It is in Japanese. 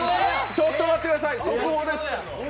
ちょっと待ってください、速報です。